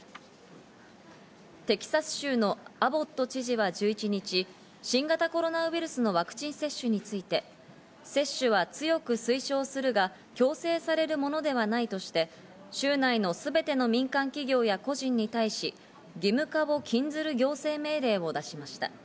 テキサス州のアボット知事は１１日、新型コロナウイルスのワクチン接種について、接種は強く推奨するが強制されるものではないとして州内のすべての民間企業や個人に対し、義務化を禁ずる行政命令を出しました。